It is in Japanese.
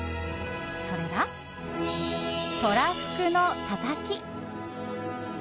それが、とらふくのたたき。